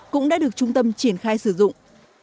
cũng đã được trung tâm triển khai sử dụng